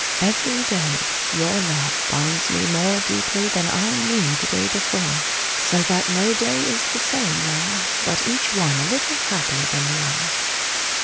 Every day your love binds me more deeply than I knew the day before: so that no day is the same now, but each one a little happier than the last.